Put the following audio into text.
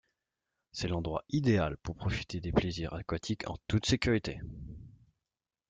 C'est l'endroit idéal pour profiter des plaisirs aquatiques en toute sécurité.